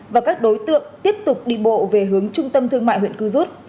và các đối tượng tiếp tục đi bộ về hướng trung tâm thương mại huyện cư rút